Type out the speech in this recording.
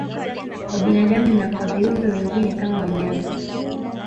Kwa binadamu na kwa viumbe wengine kama wanyama